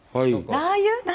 ラー油？何？